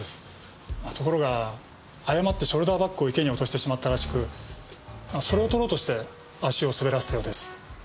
ところが誤ってショルダーバッグを池に落としてしまったらしくそれを取ろうとして足を滑らせたようです。